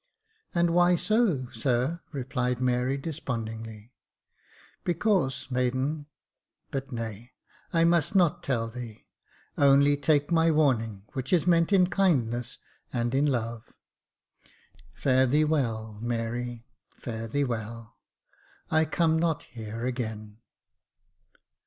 " And why so, sir .''" replied Mary, despondingly. " Because, maiden — but nay, I must not tell thee ; only take my warning, which is meant in kindness and in love. Fare thee well, Mary — fare thee well ! I come not here again."